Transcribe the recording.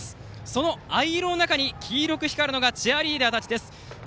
その藍色の中に黄色く光るのがチアリーダーたち。